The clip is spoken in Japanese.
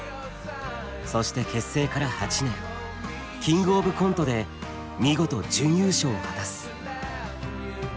そして結成から８年「キングオブコント」で見事準優勝を果たす。